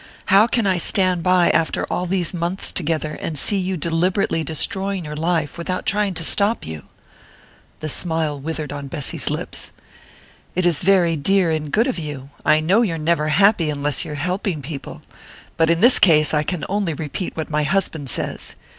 How can I stand by, after all these months together, and see you deliberately destroying your life without trying to stop you?" The smile withered on Bessy's lips. "It is very dear and good of you I know you're never happy unless you're helping people but in this case I can only repeat what my husband says.